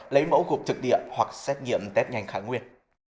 lấy mẫu gục thực địa hoặc xét nghiệm tết nhanh kháng nguyên